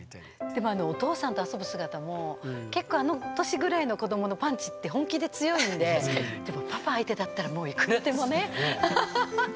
でもあのお父さんと遊ぶ姿も結構あの年ぐらいの子どものパンチって本気で強いんででもパパ相手だったらもういくらでもね。アハハハッ。